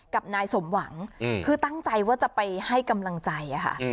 กับนายสมหวังคือตั้งใจว่าจะไปให้กำลังใจค่ะ